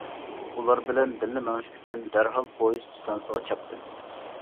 ئۇلار بىلەن بىللە مېڭىش ئۈچۈن، دەرھال پويىز ئىستانسىغا چاپتىم.